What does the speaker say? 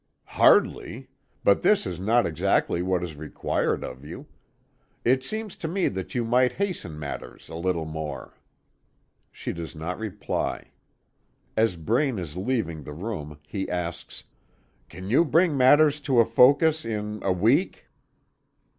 "Hardly; but this is not exactly what is required of you. It seems to me that you might hasten matters a little more." She does not reply. As Braine is leaving the room, he asks: "Can you bring matters to a focus in a week?"